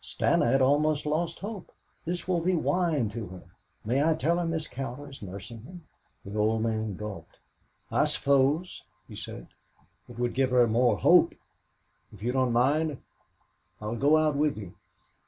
Stana had almost lost hope. This will be wine to her. May I tell her Miss Cowder is nursing him?" The old man gulped. "I suppose," he said, "it would give her more hope. If you don't mind, I'll go out with you.